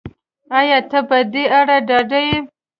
ایا ته په دې اړه ډاډه یې